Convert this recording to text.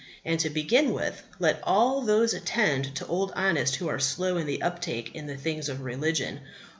And, to begin with, let all those attend to Old Honest who are slow in the uptake in the things of religion.